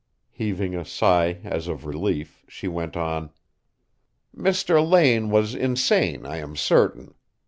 Heaving a sigh as of relief, she went on: "Mr. Lane was insane, I am certain.